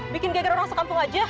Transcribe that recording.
bikin geger orang sekampung aja